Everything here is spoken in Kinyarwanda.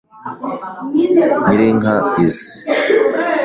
Nyiri inka izi